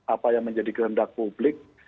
apa yang menjadi kehendak publik